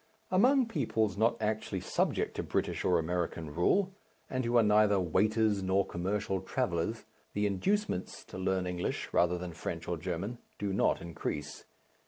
Among peoples not actually subject to British or American rule, and who are neither waiters nor commercial travellers, the inducements to learn English, rather than French or German, do not increase.